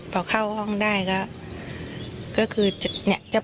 พอเข้าห้องได้ก็คือจะพูดพร่ำนะครับ